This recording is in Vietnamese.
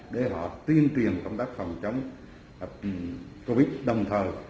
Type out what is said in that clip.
để họ tuyên truyền công tác phòng chống covid đồng thời